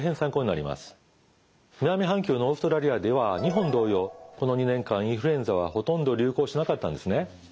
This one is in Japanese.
南半球のオーストラリアでは日本同様この２年間インフルエンザはほとんど流行しなかったんですね。